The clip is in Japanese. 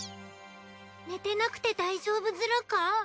寝てなくて大丈夫ズラか？